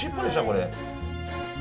これ。